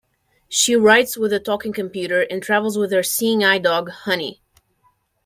She writes with a talking computer and travels with her Seeing Eye dog Honey.